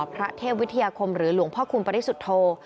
พระเทพวิทยาคมหรือหลวงพ่อคูณปริสุทธโธ